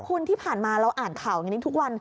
คุณที่ผ่านมาเราอ่านข่าวอย่างนี้ทุกวัน